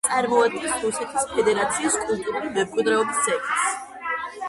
წარმოადგენს რუსეთის ფედერაციის კულტურული მემკვიდეობის ძეგლს.